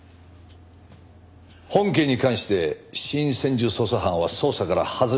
本件に関して新専従捜査班は捜査から外れる事になった。